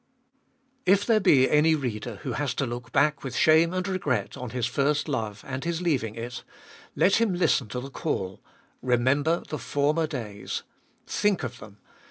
1. If there be any reader who has to look bach with shame and regret on his first hue, and his leaving it, let him listen to the call : Remember the former days. Think of them.